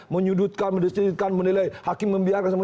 menyudutkan menyudutkan menilai hakim membiarkan semacam itu